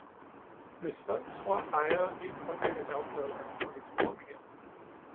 Hvis folk tror, ejere ikke påvirker dagbladene, må de tro om igen.